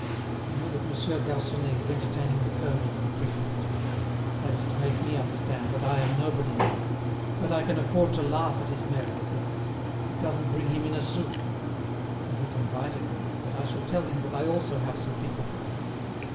You know that Monsieur Garconnet is entertaining the colonel and the prefect. That is to make me understand that I am nobody now. But I can afford to laugh at his mayoralty; it doesn't bring him in a sou! He has invited me, but I shall tell him that I also have some people coming.